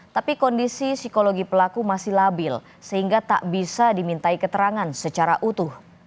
tapi kondisi psikologi pelaku masih labil sehingga tak bisa dimintai keterangan secara utuh